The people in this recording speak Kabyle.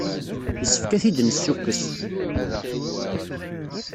Yessefk ad ten-id-nessukkes.